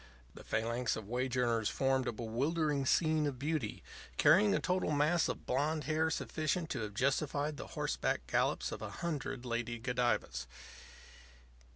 The phalanx of wage earners formed a bewildering scene of beauty, carrying a total mass of blond hair sufficient to have justified the horseback gallops of a hundred Lady Godivas.